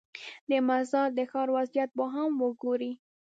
د مزار د ښار وضعیت به هم وګورې.